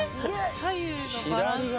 左右のバランスが。